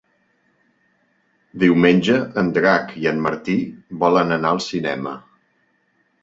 Diumenge en Drac i en Martí volen anar al cinema.